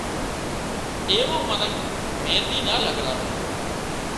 ايوان منک مينۮِي نا لڳراوي